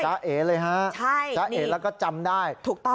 เอ๋เลยฮะใช่จ๊ะเอ๋แล้วก็จำได้ถูกต้อง